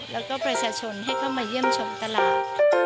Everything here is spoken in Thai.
แล้วก็ประชาชนให้เข้ามาเยี่ยมชมตลาด